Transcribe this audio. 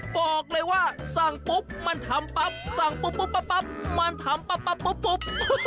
บอกเลยว่าสั่งปุ๊บมันทำปั๊บสั่งปุ๊บปุ๊บปั๊บปั๊บมันทำปั๊บปั๊บปุ๊บปุ๊บ